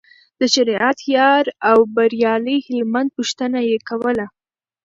د شریعت یار او بریالي هلمند پوښتنه یې کوله.